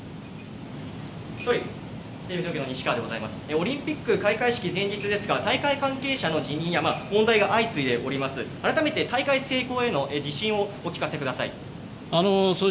オリンピック開会式前日ですが大会関係者の辞任や問題が相次いでいますが改めて大会成功への自信をお聞かせください。